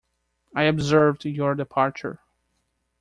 I observed your departure.